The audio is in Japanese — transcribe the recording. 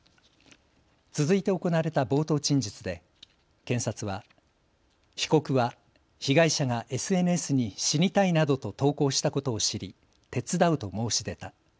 続いて行われた冒頭陳述で検察は被告は被害者がＳＮＳに死にたいなどと投稿したことを知り手伝うと申し出た。